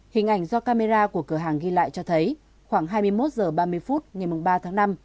hình ảnh do camera của cửa hàng ghi lại cho thấy khoảng hai mươi một h ba mươi phút ngày ba tháng năm